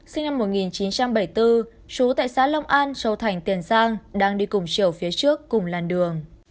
sinh năm một nghìn chín trăm bảy mươi bốn trú tại xã long an châu thành tiền giang đang đi cùng chiều phía trước cùng làn đường